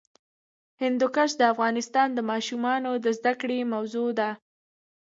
هندوکش د افغان ماشومانو د زده کړې موضوع ده.